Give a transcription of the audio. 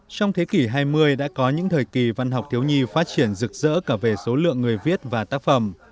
trong thế kỷ hai mươi đã có những thời kỳ văn học thiếu nhi phát triển rực rỡ cả về số lượng người viết và tác phẩm